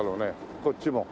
こっちも。